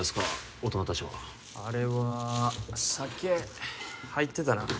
大人達はあれは酒入ってたなあ